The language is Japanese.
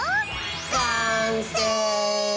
完成！